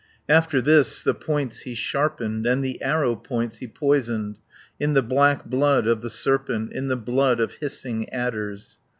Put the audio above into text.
After this, the points he sharpened. And the arrow points he poisoned. In the black blood of the serpent, In the blood of hissing adders.